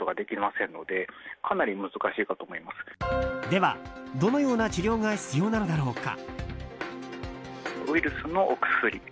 では、どのような治療が必要なのだろうか。